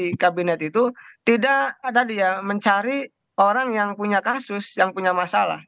di kabinet itu tidak tadi ya mencari orang yang punya kasus yang punya masalah